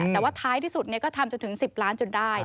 แต่ว่าท้ายที่สุดก็ทำจนถึง๑๐ล้านจนได้